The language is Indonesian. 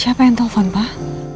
siapa yang telfon pak